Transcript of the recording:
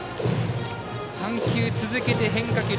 ３球続けて変化球。